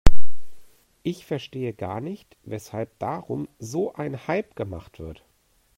Ich verstehe gar nicht, weshalb darum so ein Hype gemacht wird.